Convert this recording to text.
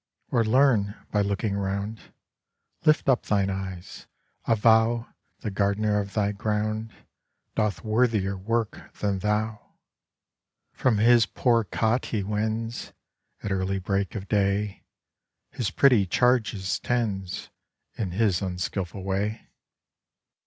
'Or learn by looking round. Lift up thine eyes. Avow The gardener of thy ground Doth worthier work than thou. From his poor cot he wends At early break of day; His pretty charges tends In his unskilful way.